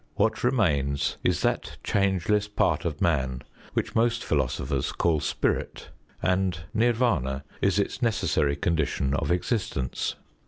What remains is that changeless part of man, which most philosophers call Spirit, and Nirv─ün╠Ża is its necessary condition of existence.